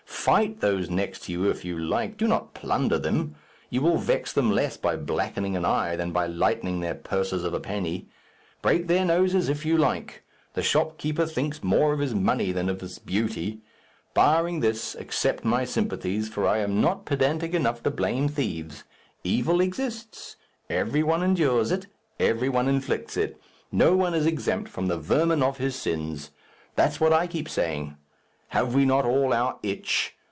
Fight those next to you if you like; do not plunder them. You will vex them less by blackening an eye, than by lightening their purses of a penny. Break their noses if you like. The shopkeeper thinks more of his money than of his beauty. Barring this, accept my sympathies, for I am not pedantic enough to blame thieves. Evil exists. Every one endures it, every one inflicts it. No one is exempt from the vermin of his sins. That's what I keep saying. Have we not all our itch?